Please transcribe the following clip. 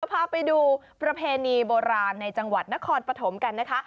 พาไปดูประเพณีโบราณในจังหวัดนครปฐมกันนะคะ